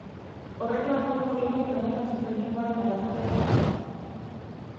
Horrek lagunduko digu benetan sufrimenduaren arrazoia topatzen.